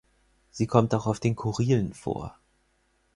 Sie kommt auch auf den Kurilen vor.